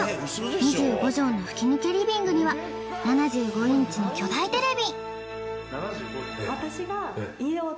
２５畳の吹き抜けリビングには７５インチの巨大テレビ。